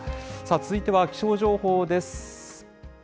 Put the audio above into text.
続いては気象情報です。